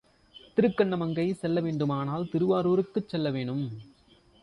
திருக்கண்ணமங்கை செல்லவேண்டுமானால், திருவாரூருக்குச் செல்ல வேணும்.